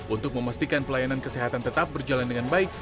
untuk memastikan pelayanan kesehatan tetap berjalan dengan baik